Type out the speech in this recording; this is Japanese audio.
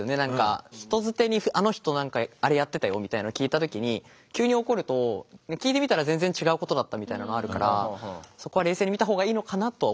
人づてに「あの人何かあれやってたよ」みたいのを聞いた時に急に怒ると聞いてみたら全然違うことだったみたいなのがあるからそこは冷静に見た方がいいのかなとは思いました。